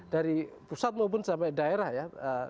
dari pusat maupun sampai daerah ya